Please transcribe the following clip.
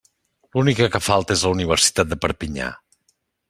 L'única que falta és la Universitat de Perpinyà.